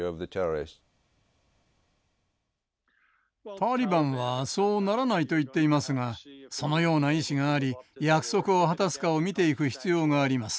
タリバンはそうならないと言っていますがそのような意思があり約束を果たすかを見ていく必要があります。